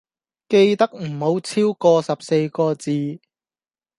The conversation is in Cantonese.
記得唔好超個十四個字